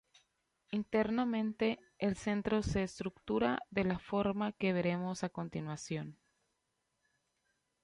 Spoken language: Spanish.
Internamente, el centro se estructura de la forma que veremos a continuación.